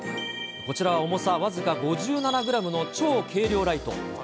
こちらは重さ僅か５７グラムの超軽量ライト。